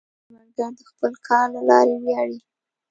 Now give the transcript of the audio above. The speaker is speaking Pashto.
کروندګر د خپل کار له لارې ویاړي